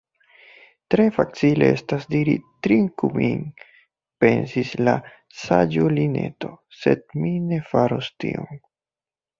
"Tre facile estas diri 'Trinku min'" pensis la saĝulineto, "sed mi ne faros tion. »